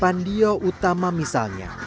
pandio utama misalnya